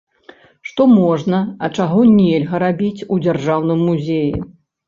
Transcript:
Што можна, а чаго нельга рабіць у дзяржаўным музеі?